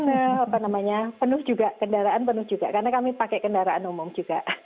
apa namanya penuh juga kendaraan penuh juga karena kami pakai kendaraan umum juga